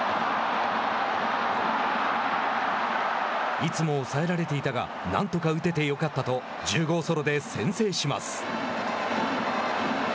いつも抑えられていたがなんとか打ててよかったと１０号ソロで先制します。